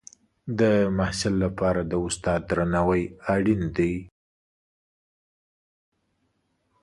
د محصل لپاره د استاد درناوی اړین دی.